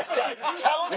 ちゃうねん。